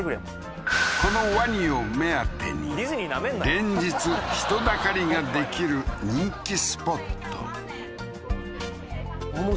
このワニを目当てに連日人だかりができる人気スポット